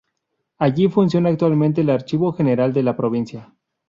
Allí funciona actualmente el Archivo General de la Provincia.